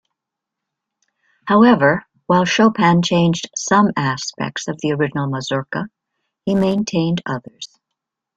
However, while Chopin changed some aspects of the original mazurka, he maintained others.